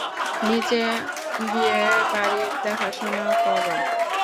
নিচে গিয়ে বাড়ির দেখাশোনা কর।